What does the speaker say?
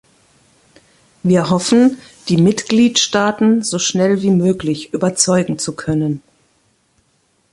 Wir hoffen, die Mitgliedstaaten so schnell wie möglich überzeugen zu können.